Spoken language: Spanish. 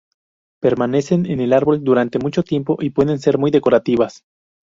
Permanecen en el árbol durante mucho tiempo y pueden ser muy decorativas.